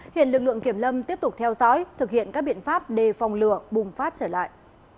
hiện lực lượng kiểm lâm tiếp tục theo dõi thực hiện các biện pháp đề phòng lửa bùng phát trở lại